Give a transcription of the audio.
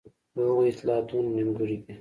د هغوی اطلاعات دونه نیمګړي دي.